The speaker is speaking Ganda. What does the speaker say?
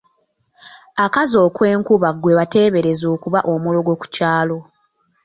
Akaza okwenkuba gwe bateebereza okuba omulogo ku kyalo.